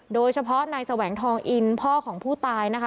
โดยเฉพาะนายแสวงทองอินพ่อของผู้ตายนะคะ